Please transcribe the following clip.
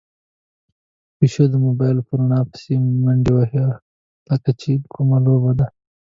پيشو د موبايل په رڼا پسې منډې وهلې، لکه چې کومه لوبه ده.